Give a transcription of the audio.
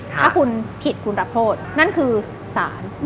ถ้าคุณผิดคุณรับโทษนั่นคือสาร